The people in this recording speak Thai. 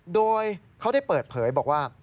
โดยเขาได้เปิดเผยบอกว่า